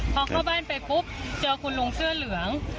พอเข้าบ้านไปปุ๊บเจอคุณลุงเสื้อเหลือง